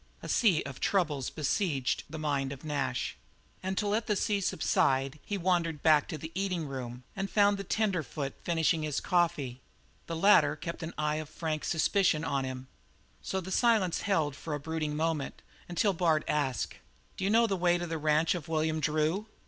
A sea of troubles besieged the mind of Nash. And to let that sea subside he wandered back to the eating room and found the tenderfoot finishing his coffee. The latter kept an eye of frank suspicion upon him. So the silence held for a brooding moment, until Bard asked: "D'you know the way to the ranch of William Drew?"